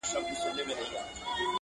تور بخمل غوندي ځلېږې سر تر نوکه،